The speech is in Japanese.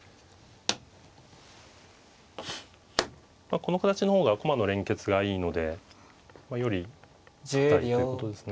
この形の方が駒の連結がいいのでより堅いということですね。